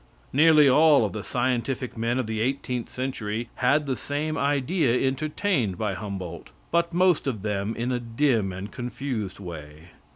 Nearly all of the scientific men of the eighteenth century had the same idea entertained by Humboldt, but most of them in a dim and confused way.